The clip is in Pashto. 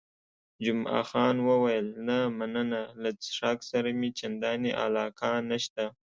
جمعه خان وویل، نه مننه، له څښاک سره مې چندانې علاقه نشته.